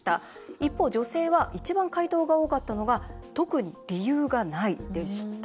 一方、女性は一番回答が多かったのが特に理由がないでした。